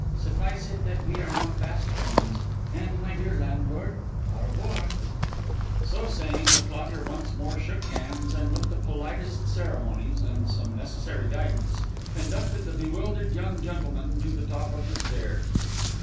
Suffice it that we are now fast friends; and, my dear landlord, au revoir!' So saying the plotter once more shook hands; and with the politest ceremonies, and some necessary guidance, conducted the bewildered young gentleman to the top of the stair.